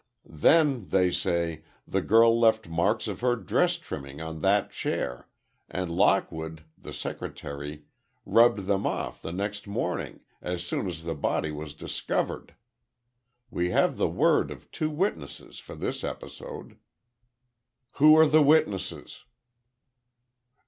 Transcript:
"Then, they say, the girl left marks of her dress trimming on that chair, and Lockwood, the secretary, rubbed them off next morning, as soon as the body was discovered. We have the word of two witnesses for this episode." "Who are the witnesses?"